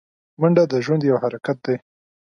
منډه د ژوند یو حرکت دی